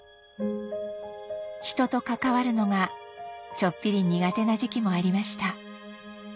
ひとと関わるのがちょっぴり苦手な時期もありました